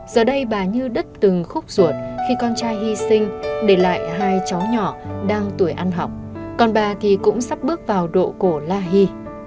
giờ đây bà như đứt từng khúc ruột khi con trai hy sinh để lại hai cháu nhỏ đang tuổi ăn học còn bà thì cũng sắp bước vào độ cổ la hy